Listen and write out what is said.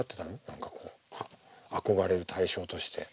何かこう憧れる対象として。